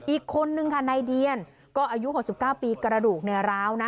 อีกคนนึงในเดียนก็อายุ๖๙ปีกระดูกในร้าว